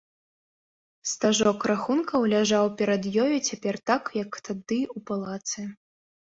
Стажок рахункаў ляжаў перад ёю цяпер так, як тады ў палацы.